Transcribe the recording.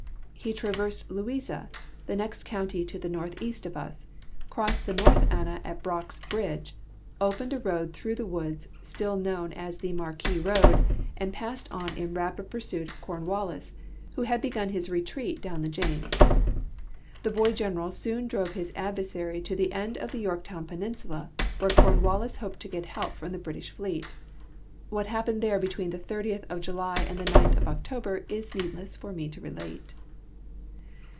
He traversed Louisa, the next county to the northeast of us, crossed the Xortli Anna at Brock's l)ridge, opened a road through the woods, still known as the Marquis road, and passed on in ALBEMARLE LN REVOLUTIONARY DAYS 279 rapid pursuit of Cornwallis, who had begun his retreat down tiie James. The boy general soon drove his adversary to the end of the Yorktown peninsula, where Cornwallis hoped to get helj) from the British fleet. What happened there between tlie 30th of July and the 9th of October it is needless for me to relate.